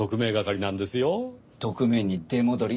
特命に出戻り？